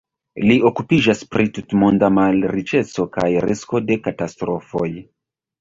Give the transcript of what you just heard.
Li okupiĝas pri tutmonda malriĉeco kaj riskoj de katastrofoj.